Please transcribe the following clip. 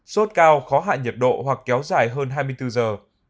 sốt cao khó hại nhiệt độ hoặc kéo dài hơn hai mươi bốn giờ